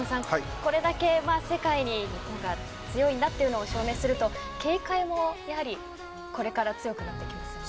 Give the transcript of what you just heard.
これだけ、世界に日本が強いんだというのを証明すると警戒もこれから強くなってきますよね。